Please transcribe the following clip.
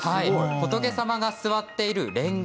仏様が座っている蓮華。